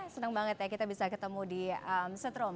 senang banget ya kita bisa ketemu di setrum